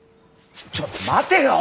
ちょっと待てよ！